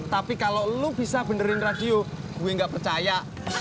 tapi kalau lu bisa benderin radio gue nggak percaya